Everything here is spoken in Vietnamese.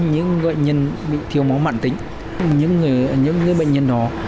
những bệnh nhân bị thiếu máu mặn tính những người những người bệnh nhân đó